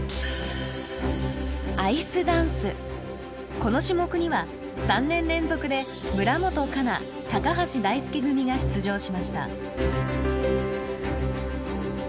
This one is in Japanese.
この種目には３年連続で村元哉中高橋大輔組が出場しました。